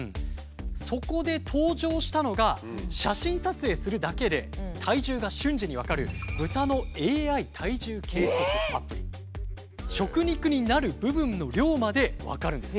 そこで登場したのが写真撮影するだけで体重が瞬時に分かる食肉になる部分の量まで分かるんです。